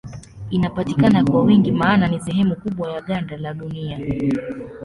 Inapatikana kwa wingi maana ni sehemu kubwa ya ganda la Dunia.